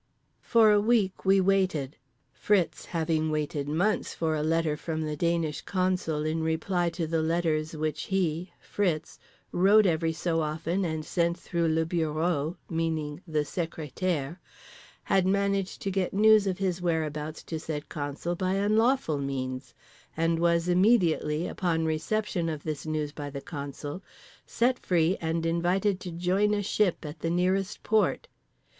For a week we waited. Fritz, having waited months for a letter from the Danish consul in reply to the letters which he, Fritz, wrote every so often and sent through le bureau—meaning the sécrétaire—had managed to get news of his whereabouts to said consul by unlawful means; and was immediately, upon reception of this news by the consul, set free and invited to join a ship at the nearest port.